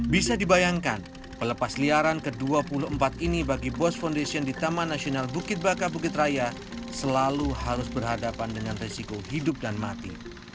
bisa dibayangkan pelepas liaran ke dua puluh empat ini bagi bos foundation di taman nasional bukit baka bukit raya selalu harus berhadapan dengan resiko hidup dan mati